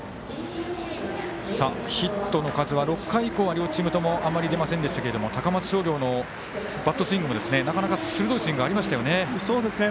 ヒットの数は６回以降は両チームともあまり出ませんでしたけれども高松商業のバットスイングもなかなか鋭いスイングありましたよね。